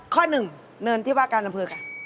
ข้อหนึ่งเนินที่ว่าการอำเภอค่ะ